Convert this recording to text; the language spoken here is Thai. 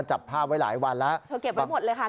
จับภาพไว้หลายวันแล้วเธอเก็บไว้หมดเลยค่ะ